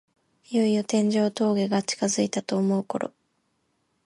いよいよ天城峠が近づいたと思うころ